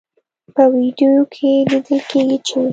په ویډیو کې لیدل کیږي چې